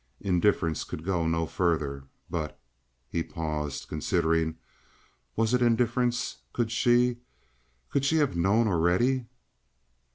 Indifference could go no further. But he paused, considering was it indifference? Could she could she have known already?